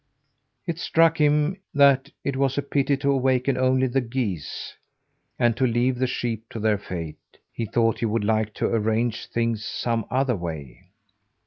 It struck him that it was a pity to awaken only the geese, and to leave the sheep to their fate. He thought he would like to arrange things some other way.